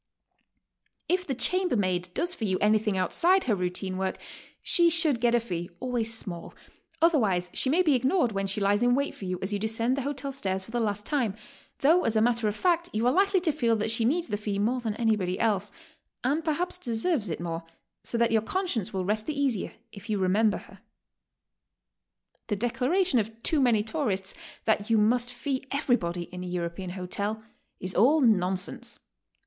^ If the chambermaid does for you anything outside her routine work, she should get a fee, always small; otherwise she may be ignored when ^he lies in wait for you as you descend the hotel stairs for the last time, though as a matter of fact you are likely to feel that she needs the fee more than anybody else, and perhaps deserves it more, so that your conscience will rest the easier if you remember her. The declaration of too many tourists that you must fee everybody in a European hotel, is all nonsense.